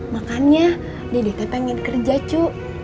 makanya dede teh pengen kerja kyu